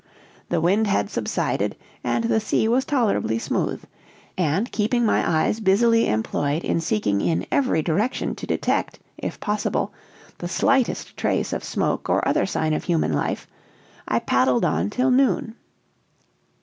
The wind had subsided, and the sea was tolerably smooth; and, keeping my eyes busily employed in seeking in every direction to detect, if possible, the slightest trace of smoke, or other sign of human life, I paddled on till noon.